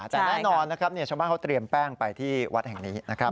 แต่แน่นอนนะครับชาวบ้านเขาเตรียมแป้งไปที่วัดแห่งนี้นะครับ